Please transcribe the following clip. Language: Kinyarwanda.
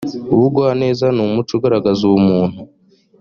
ubugwaneza ni umuco ugaragaza ubumuntu